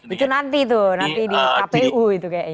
itu nanti tuh nanti di kpu itu kayaknya